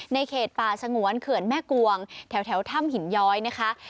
เขตป่าสงวนเขื่อนแม่กวงแถวถ้ำหินย้อยนะคะ